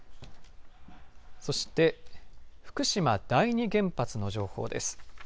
そして福島第二原発の情報です。